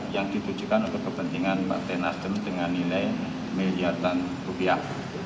yang ditujukan untuk kepentingan partai nasdem dengan nilai miliaran rupiah